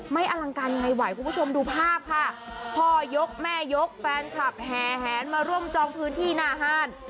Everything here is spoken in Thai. อลังการไงไหวคุณผู้ชมดูภาพค่ะพ่อยกแม่ยกแฟนคลับแห่แหนมาร่วมจองพื้นที่หน้าห้าน